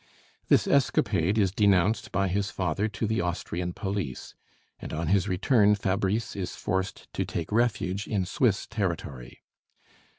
This escapade is denounced by his father to the Austrian police, and on his return Fabrice is forced to take refuge in Swiss territory.